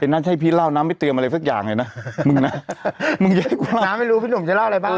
เป็นนัดให้พี่เล่าน้ำไม่เตรียมอะไรสักอย่างไงน่ะมึงน่ะน้ำไม่รู้พี่หนุ่มจะเล่าอะไรบ้าง